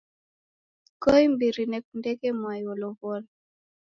Ko'imbiri nekundeghe mwai wolow'owa